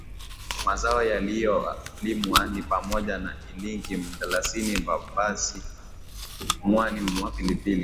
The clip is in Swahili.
Mazao yanayolimwa ni pamoja na iliki mdalasini basibasi mwani na pilipili